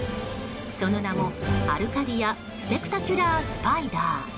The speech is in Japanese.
その名も、アルカディア・スペクタキュラー・スパイダー。